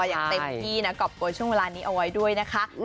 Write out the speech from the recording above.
อย่างเต็มที่นะกรอบโกยช่วงเวลานี้เอาไว้ด้วยนะคะ